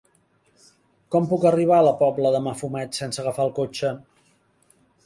Com puc arribar a la Pobla de Mafumet sense agafar el cotxe?